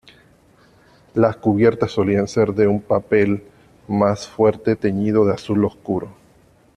Las cubiertas solían ser de un papel más fuerte teñido de azul oscuro.